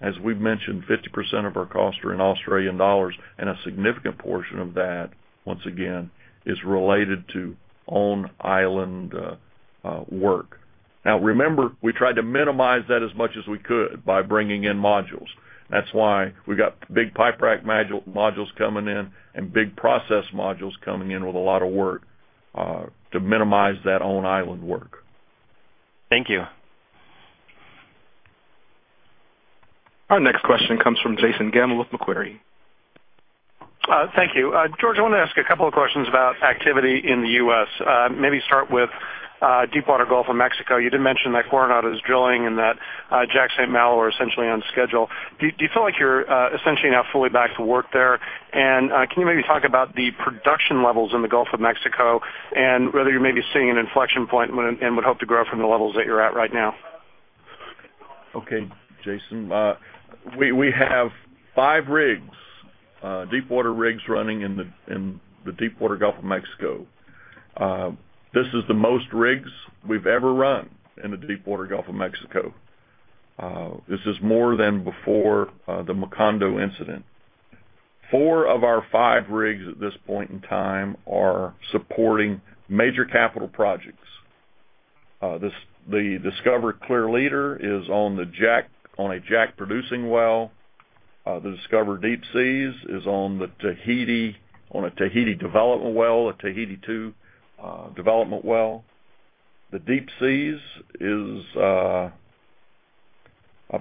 as we've mentioned, 50% of our costs are in AUD, a significant portion of that, once again, is related to on-island work. Remember, we tried to minimize that as much as we could by bringing in modules. That's why we got big pipe rack modules coming in and big process modules coming in with a lot of work, to minimize that on-island work.
Thank you.
Our next question comes from Jason Gammel of Macquarie.
Thank you. George, I want to ask a couple of questions about activity in the U.S. Maybe start with Deepwater Gulf of Mexico. You did mention that Coronado is drilling and that Jack/St. Malo are essentially on schedule. Do you feel like you're essentially now fully back to work there? Can you maybe talk about the production levels in the Gulf of Mexico and whether you're maybe seeing an inflection point and would hope to grow from the levels that you're at right now?
Okay, Jason. We have five deepwater rigs running in the Deepwater Gulf of Mexico. This is the most rigs we've ever run in the Deepwater Gulf of Mexico. This is more than before the Macondo incident. Four of our five rigs at this point in time are supporting Major Capital Projects. The Discoverer Clear Leader is on a Jack producing well. The Discoverer Deep Seas is on a Tahiti development well, a Tahiti-2 development well. The Discoverer Deep Seas is,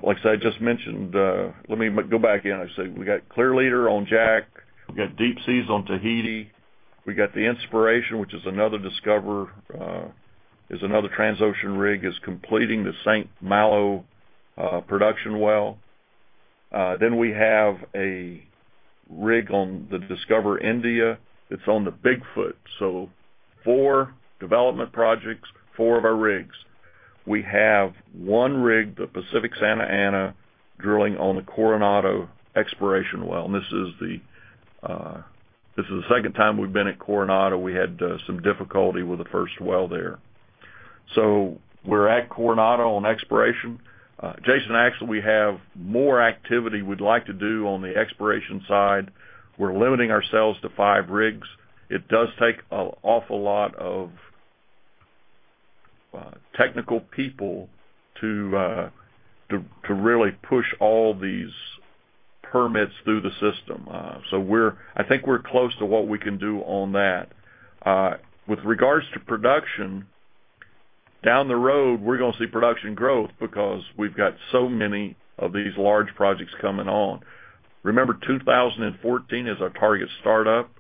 like I just mentioned. I said we got Discoverer Clear Leader on Jack, we got Discoverer Deep Seas on Tahiti, we got the Discoverer Inspiration, which is another Discoverer, is another Transocean rig, is completing the St. Malo production well. Then we have a rig on the Discoverer India that's on the Big Foot. Four development projects, four of our rigs. We have one rig, the Pacific Santa Ana, drilling on the Coronado exploration well. This is the second time we've been at Coronado. We had some difficulty with the first well there. We're at Coronado on exploration. Jason, actually, we have more activity we'd like to do on the exploration side. We're limiting ourselves to five rigs. It does take an awful lot of technical people to really push all these permits through the system. I think we're close to what we can do on that. With regards to production, down the road, we're going to see production growth because we've got so many of these large projects coming on. Remember, 2014 is our target startup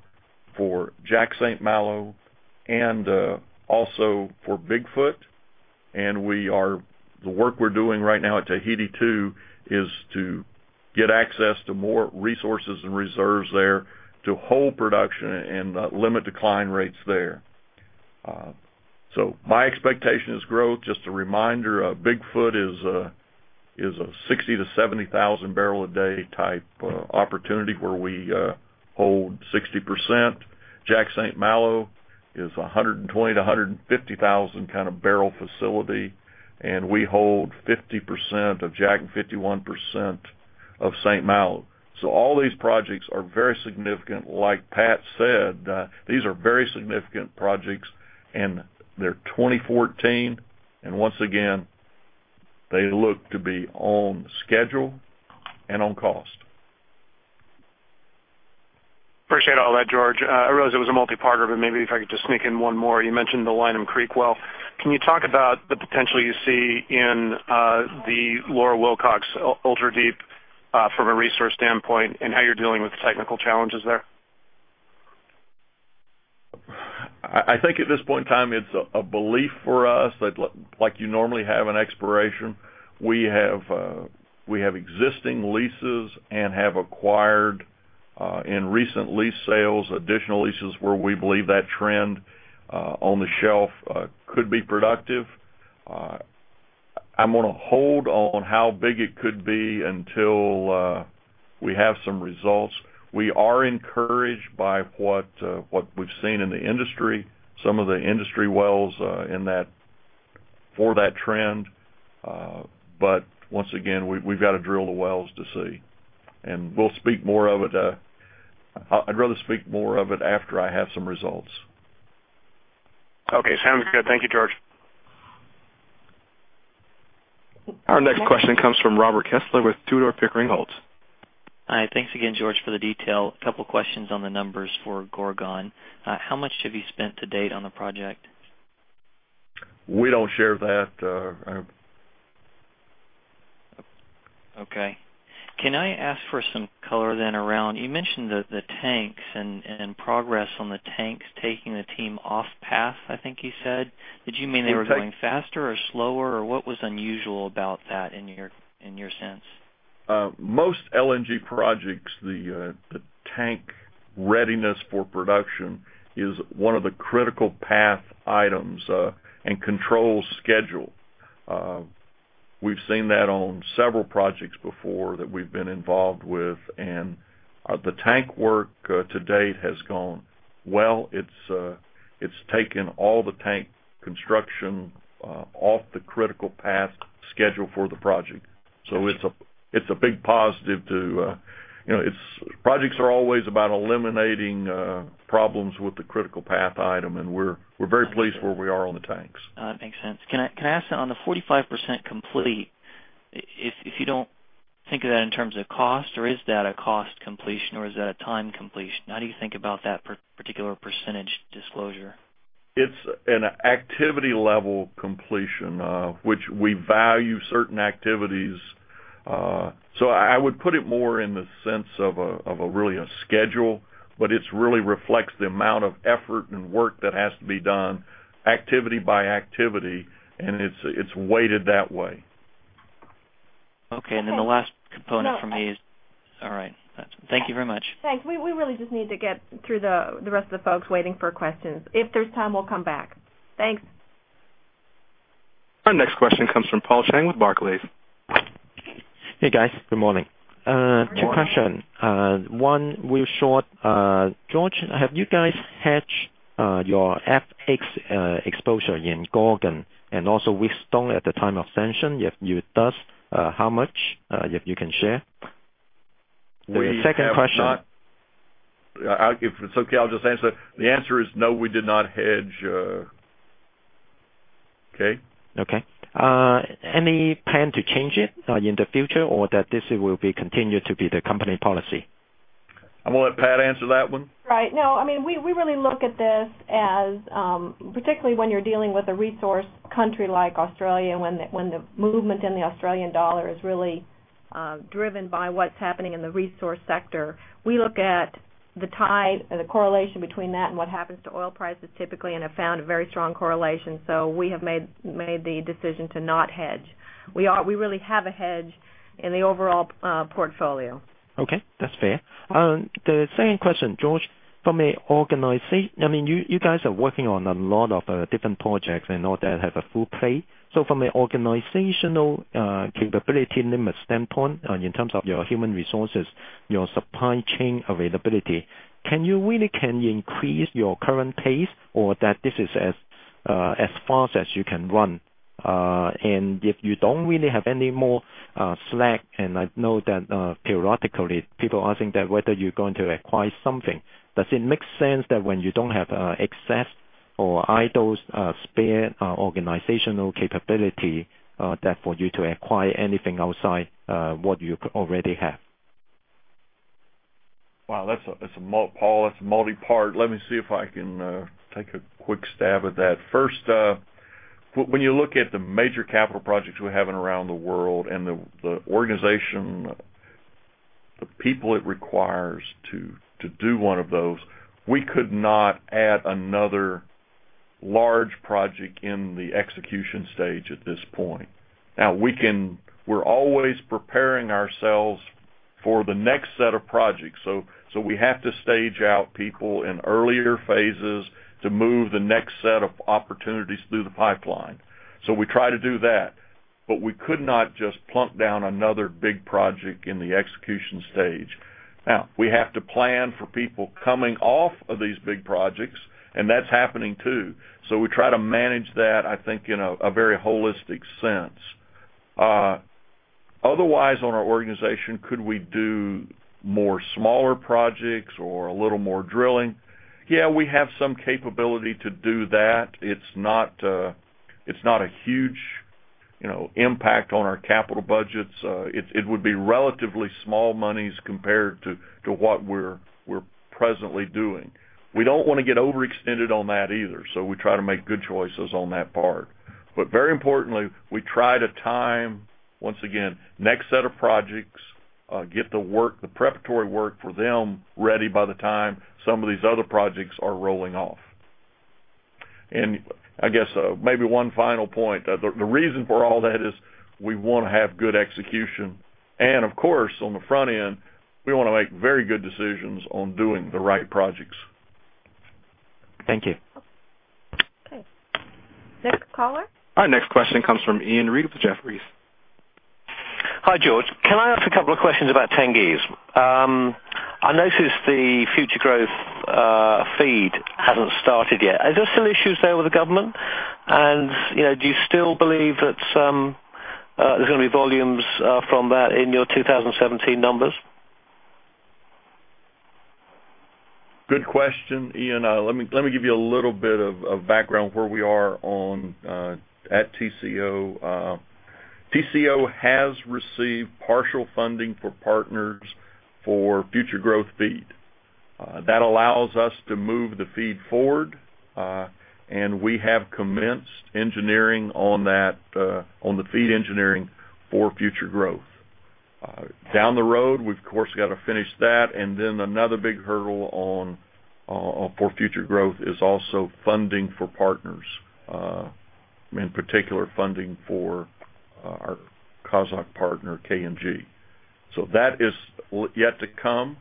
for Jack/St. Malo and also for Big Foot. The work we're doing right now at Tahiti 2 is to get access to more resources and reserves there to hold production and limit decline rates there. My expectation is growth. Just a reminder, Big Foot is a 60,000 to 70,000 barrel a day type opportunity where we hold 60%. Jack St. Malo is 120,000 to 150,000 kind of barrel facility, and we hold 50% of Jack and 51% of St. Malo. All these projects are very significant. Like Pat said, these are very significant projects, and they're 2014, and once again, they look to be on schedule and on cost.
Appreciate all that, George. I realize it was a multi-parter, but maybe if I could just sneak in one more. You mentioned the Lineham Creek Well. Can you talk about the potential you see in the Lower Wilcox Ultra-Deep from a resource standpoint and how you're dealing with the technical challenges there?
I think at this point in time, it's a belief for us like you normally have in exploration. We have existing leases and have acquired, in recent lease sales, additional leases where we believe that trend on the shelf could be productive. I'm going to hold on how big it could be until we have some results. We are encouraged by what we've seen in the industry, some of the industry wells for that trend. Once again, we've got to drill the wells to see, and we'll speak more of it. I'd rather speak more of it after I have some results.
Okay, sounds good. Thank you, George.
Our next question comes from Robert Kessler with Tudor, Pickering, Holt.
Hi. Thanks again, George, for the detail. A couple questions on the numbers for Gorgon. How much have you spent to date on the project?
We don't share that.
Okay. Can I ask for some color then around, you mentioned the tanks and progress on the tanks taking the team off path, I think you said. Did you mean they were going faster or slower, or what was unusual about that in your sense?
Most LNG projects, the tank readiness for production is one of the critical path items and controls schedule. We've seen that on several projects before that we've been involved with, the tank work to date has gone well. It's taken all the tank construction off the critical path schedule for the project. Projects are always about eliminating problems with the critical path item, and we're very pleased where we are on the tanks.
That makes sense. Can I ask, on the 45% complete, if you don't think of that in terms of cost, is that a cost completion, is that a time completion? How do you think about that particular percentage disclosure?
It's an activity level completion, which we value certain activities. I would put it more in the sense of really a schedule, it really reflects the amount of effort and work that has to be done activity by activity, it's weighted that way.
Okay. The last component from me is.
No.
All right. Thank you very much.
Thanks. We really just need to get through the rest of the folks waiting for questions. If there's time, we'll come back. Thanks.
Our next question comes from Paul Cheng with Barclays.
Hey, guys. Good morning.
Good morning.
Two questions. One real short. George, have you guys hedged your FX exposure in Gorgon and also Wheatstone at the time of sanction? If you does, how much if you can share?
If it's okay, I'll just answer. The answer is no, we did not hedge. Okay?
Okay. Any plan to change it in the future or that this will be continued to be the company policy?
I'm going to let Pat answer that one.
Right. No, we really look at this as, particularly when you're dealing with a resource country like Australia, when the movement in the Australian dollar is really driven by what's happening in the resource sector. We look at the tide or the correlation between that and what happens to oil prices typically and have found a very strong correlation. We have made the decision to not hedge. We really have a hedge in the overall portfolio.
Okay. That's fair. The second question, George, from an organization, you guys are working on a lot of different projects and all that have a full plate. From an organizational capability limit standpoint, in terms of your human resources, your supply chain availability, can you really increase your current pace or that this is as fast as you can run? If you don't really have any more slack, and I know that periodically people are asking that whether you're going to acquire something. Does it make sense that when you don't have excess or idle spare organizational capability for you to acquire anything outside what you already have?
Wow. Paul, that's multi-part. Let me see if I can take a quick stab at that. First, when you look at the Major Capital Projects we're having around the world and the organization, the people it requires to do one of those, we could not add another large project in the execution stage at this point. Now, we're always preparing ourselves for the next set of projects. We have to stage out people in earlier phases to move the next set of opportunities through the pipeline. We try to do that. We could not just plunk down another big project in the execution stage. Now, we have to plan for people coming off of these big projects, and that's happening too. We try to manage that, I think, in a very holistic sense. On our organization, could we do more smaller projects or a little more drilling? Yeah, we have some capability to do that. It's not a huge impact on our capital budgets. It would be relatively small monies compared to what we're presently doing. We don't want to get overextended on that either. We try to make good choices on that part. Very importantly, we try to time, once again, next set of projects, get the preparatory work for them ready by the time some of these other projects are rolling off. I guess maybe one final point. The reason for all that is we want to have good execution. Of course, on the front end, we want to make very good decisions on doing the right projects.
Thank you.
Okay. Next caller?
Our next question comes from Iain Reid with Jefferies.
Hi, George. Can I ask a couple of questions about Tengiz? I noticed the Future Growth FEED hasn't started yet. Are there still issues there with the government? Do you still believe that there's going to be volumes from that in your 2017 numbers?
Good question, Iain. Let me give you a little bit of background where we are at TCO. TCO has received partial funding for partners for Future Growth FEED. That allows us to move the FEED forward, and we have commenced engineering on the FEED engineering for future growth. Down the road, we've, of course, got to finish that, and then another big hurdle for future growth is also funding for partners. In particular, funding for our Kazakh partner, KMG. That is yet to come.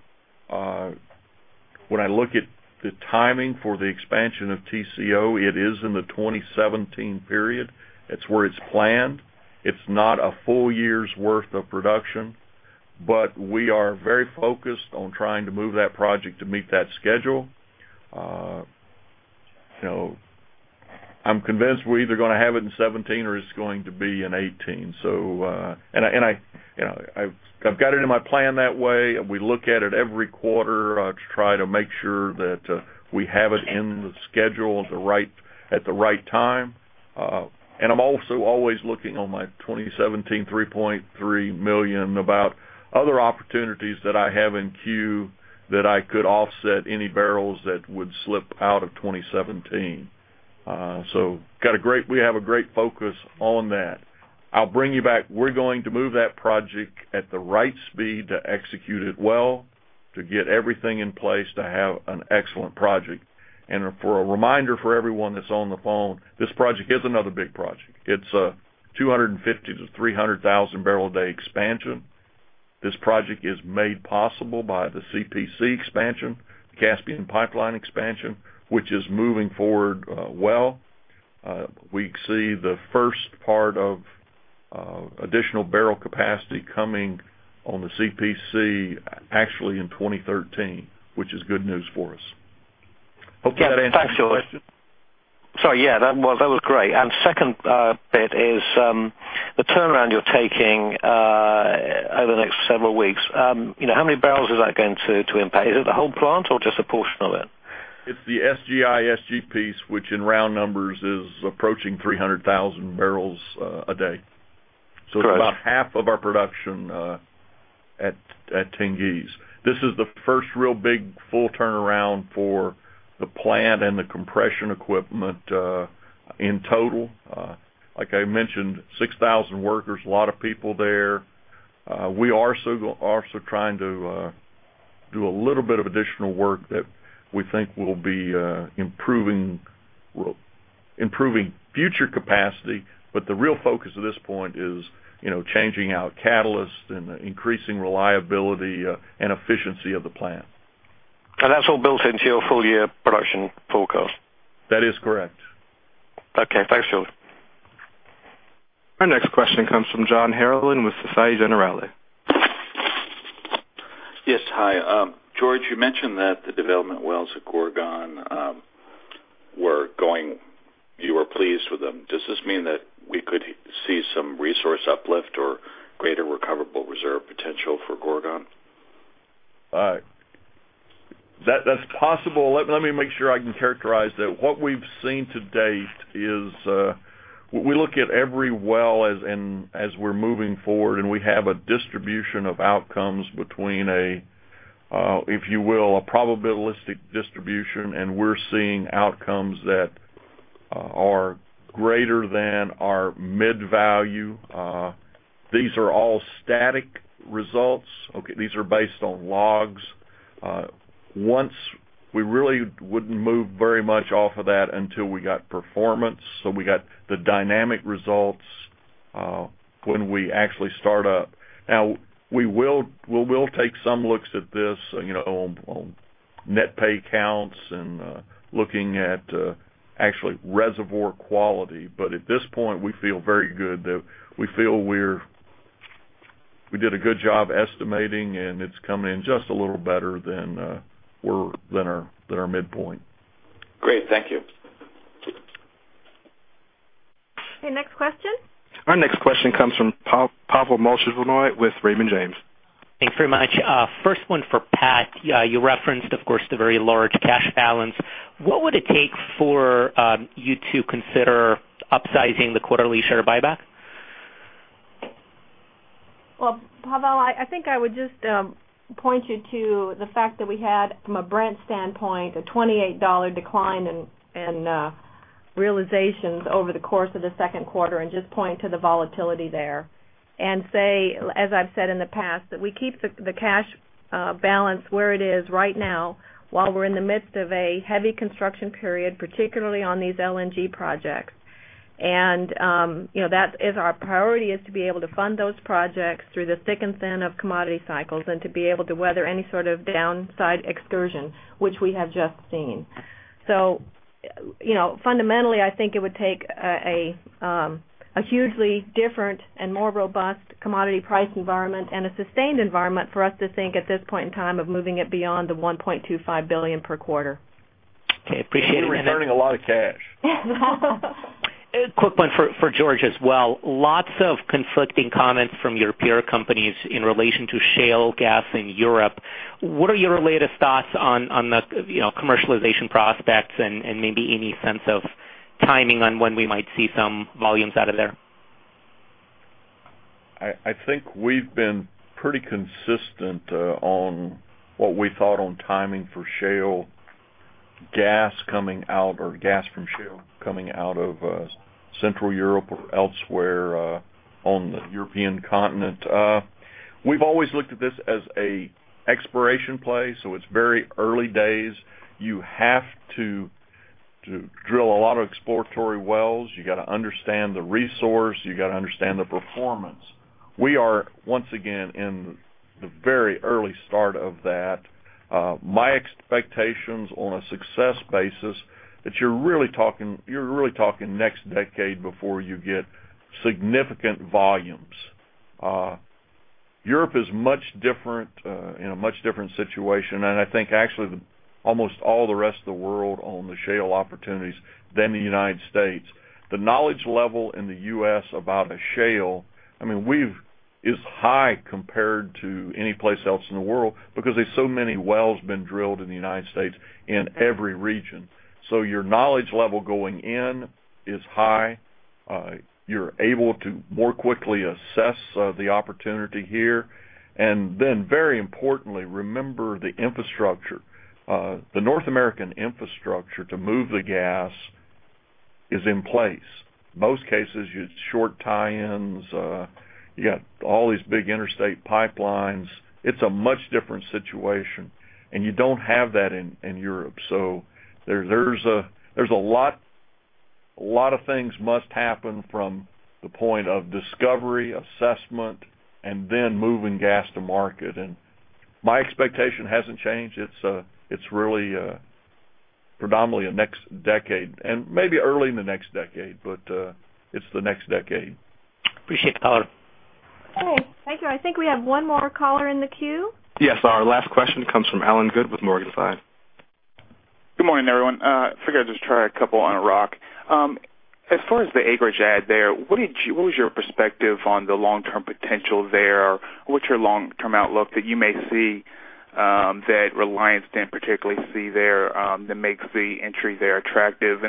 When I look at the timing for the expansion of TCO, it is in the 2017 period. It's where it's planned. It's not a full year's worth of production, but we are very focused on trying to move that project to meet that schedule. I'm convinced we're either going to have it in 2017 or it's going to be in 2018. I've got it in my plan that way. We look at it every quarter to try to make sure that we have it in the schedule at the right time. I'm also always looking on my 2017 $3.3 million, about other opportunities that I have in queue that I could offset any barrels that would slip out of 2017. We have a great focus on that. I'll bring you back. We're going to move that project at the right speed to execute it well, to get everything in place to have an excellent project. For a reminder for everyone that's on the phone, this project is another big project. It's a 250 to 300,000 barrel a day expansion. This project is made possible by the CPC expansion, the Caspian Pipeline expansion, which is moving forward well. We see the first part of additional barrel capacity coming on the CPC actually in 2013, which is good news for us. Hope that answers your question.
Yeah. Thanks, George. Sorry, yeah, that was great. Second bit is the turnaround you're taking over the next several weeks. How many barrels is that going to impact? Is it the whole plant or just a portion of it?
It's the SGI, SG piece, which in round numbers is approaching 300,000 barrels a day.
Great.
It's about half of our production at Tengiz. This is the first real big full turnaround for the plant and the compression equipment, in total. Like I mentioned, 6,000 workers, a lot of people there. We are also trying to do a little bit of additional work that we think will be improving future capacity. The real focus at this point is changing out catalysts and increasing reliability and efficiency of the plant.
That's all built into your full year production forecast?
That is correct.
Okay. Thanks, George.
Our next question comes from John Herrlin with Société Générale.
Yes. Hi. George, you mentioned that the development wells at Gorgon, you were pleased with them. Does this mean that we could see some resource uplift or greater recoverable reserve potential for Gorgon?
That's possible. Let me make sure I can characterize that. What we've seen to date is, we look at every well as we're moving forward, and we have a distribution of outcomes between a, if you will, a probabilistic distribution, and we're seeing outcomes that are greater than our mid value. These are all static results, okay? These are based on logs. Once we really wouldn't move very much off of that until we got performance, so we got the dynamic results, when we actually start up. We will take some looks at this on net pay counts and looking at actual reservoir quality. At this point, we feel very good that we feel we did a good job estimating, and it's coming in just a little better than our midpoint.
Great. Thank you.
Okay. Next question.
Our next question comes from Pavel Molchanov with Raymond James.
Thanks very much. First one for Pat. You referenced, of course, the very large cash balance. What would it take for you to consider upsizing the quarterly share buyback?
Pavel, I think I would just point you to the fact that we had, from a Brent standpoint, a $28 decline in realizations over the course of the second quarter and just point to the volatility there. Say, as I've said in the past, that we keep the cash balance where it is right now while we're in the midst of a heavy construction period, particularly on these LNG projects. Our priority is to be able to fund those projects through the thick and thin of commodity cycles and to be able to weather any sort of downside excursion, which we have just seen. Fundamentally, I think it would take a hugely different and more robust commodity price environment and a sustained environment for us to think at this point in time of moving it beyond the $1.25 billion per quarter.
Okay. Appreciate it.
We're returning a lot of cash.
A quick one for George as well. Lots of conflicting comments from your peer companies in relation to shale gas in Europe. What are your latest thoughts on the commercialization prospects and maybe any sense of timing on when we might see some volumes out of there?
I think we've been pretty consistent on what we thought on timing for shale gas coming out or gas from shale coming out of Central Europe or elsewhere on the European continent. We've always looked at this as a exploration play, so it's very early days. You have to drill a lot of exploratory wells. You got to understand the resource. You got to understand the performance. We are, once again, in the very early start of that. My expectations on a success basis, that you're really talking next decade before you get significant volumes. Europe is in much different situation, and I think actually the Almost all the rest of the world own the shale opportunities than the United States. The knowledge level in the U.S. about the shale is high compared to any place else in the world because there's so many wells been drilled in the United States in every region. Your knowledge level going in is high. You're able to more quickly assess the opportunity here. Then very importantly, remember the infrastructure. The North American infrastructure to move the gas is in place. Most cases, you have short tie-ins, you got all these big interstate pipelines. It's a much different situation, and you don't have that in Europe. There's a lot of things must happen from the point of discovery, assessment, and then moving gas to market. My expectation hasn't changed. It's really predominantly next decade and maybe early in the next decade, but it's the next decade.
Appreciate the color.
Okay. Thank you. I think we have one more caller in the queue.
Yes. Our last question comes from Allen Good with Morningstar].
Good morning, everyone. Figured I'd just try a couple on Iraq. As far as the acreage add there, what was your perspective on the long-term potential there? What's your long-term outlook that you may see that Reliance can particularly see there, that makes the entry there attractive?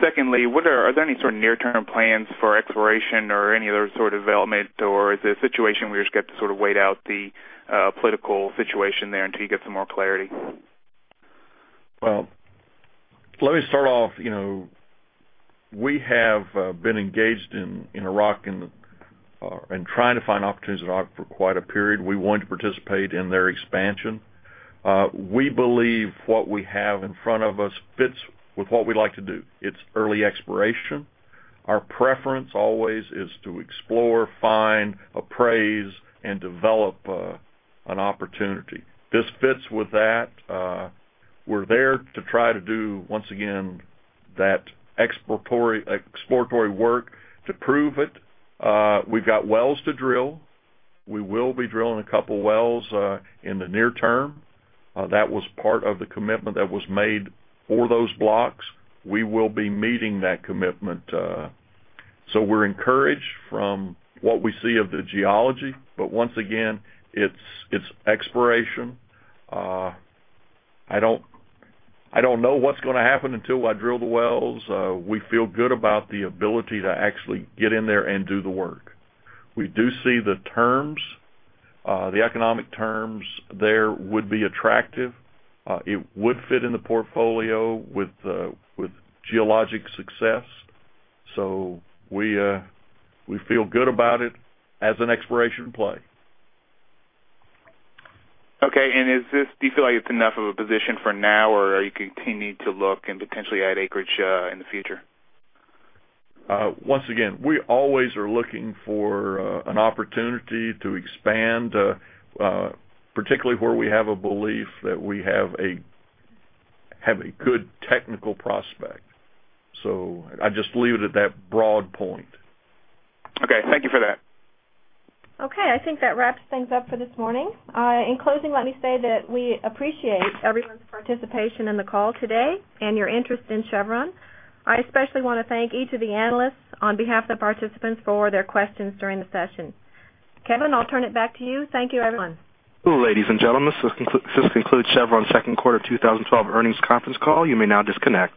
Secondly, are there any sort of near-term plans for exploration or any other sort of development, or is this a situation where you just got to sort of wait out the political situation there until you get some more clarity?
Well, let me start off. We have been engaged in Iraq and trying to find opportunities in Iraq for quite a period. We want to participate in their expansion. We believe what we have in front of us fits with what we like to do. It's early exploration. Our preference always is to explore, find, appraise, and develop an opportunity. This fits with that. We're there to try to do, once again, that exploratory work to prove it. We've got wells to drill. We will be drilling a couple wells in the near term. That was part of the commitment that was made for those blocks. We will be meeting that commitment. We're encouraged from what we see of the geology. Once again, it's exploration. I don't know what's going to happen until I drill the wells. We feel good about the ability to actually get in there and do the work. We do see the terms, the economic terms there would be attractive. It would fit in the portfolio with geologic success. We feel good about it as an exploration play.
Okay. Do you feel like it's enough of a position for now, or are you continuing to look and potentially add acreage in the future?
Once again, we always are looking for an opportunity to expand, particularly where we have a belief that we have a good technical prospect. I just leave it at that broad point.
Okay. Thank you for that.
Okay, I think that wraps things up for this morning. In closing, let me say that we appreciate everyone's participation in the call today and your interest in Chevron. I especially want to thank each of the analysts on behalf of the participants for their questions during the session. Kevin, I'll turn it back to you. Thank you, everyone.
Ladies and gentlemen, this concludes Chevron's second quarter 2012 earnings conference call. You may now disconnect.